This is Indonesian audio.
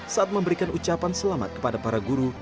saat memberikan ucapan selamat kepada para guru